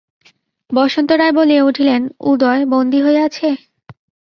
বসন্ত রায় বলিয়া উঠিলেন, উদয় বন্দী হইয়াছে?